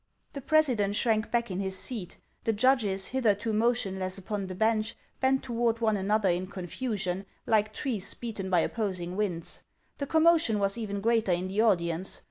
The president shrank back in his seat ; the judges, hitherto motionless upon the bench, bent toward one an other in confusion, like trees beaten by opposing winds. The commotion was even greater in the audience.